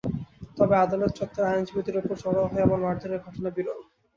তবে আদালত চত্বরে আইনজীবীদের ওপর চড়াও হয়ে এমন মারধরের ঘটনা বিরল।